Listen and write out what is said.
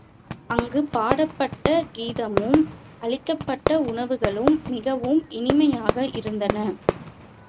அங்கு பாடப்பட்ட கீதமும், அளிக்கப்பட்ட உணவுகளும் மிகவும் இனிமையாக இருந்தன.